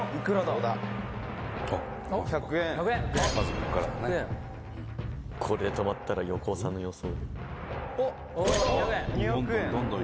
ここで止まったら横尾さんの予想どおり。